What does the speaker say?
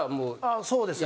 そうですね